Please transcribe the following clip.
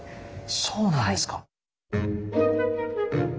そうなんですか。